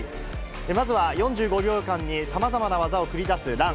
まずは、４５秒間にさまざまな技を繰り出すラン。